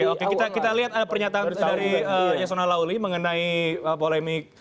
oke kita lihat ada pernyataan dari yasona lauli mengenai polemik